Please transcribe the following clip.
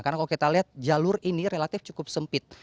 karena kalau kita lihat jalur ini relatif cukup sempit